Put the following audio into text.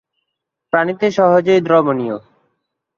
পানিতে সহজেই দ্রবনীয়।